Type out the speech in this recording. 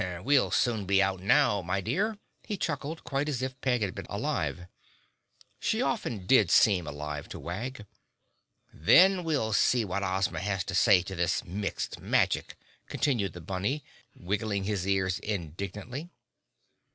"We'll soon be out now, my dear," he chuckled, quite as if Peg had been alive. She often did seem alive to Wag. "Then we'll see what Ozma has to say to this Mixed Magic," continued the bunny, wiggling his ears indignantly.